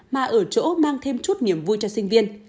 mà ở chỗ mang thêm chút niềm vui cho sinh viên